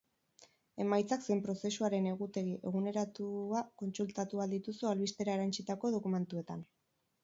Emaitzak zein prozesuaren egutegi eguneratua kontsultatu ahal dituzu albistera erantsitako dokumentuetan.